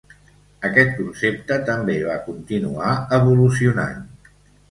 Aquest concepte també va continuar evolucionant.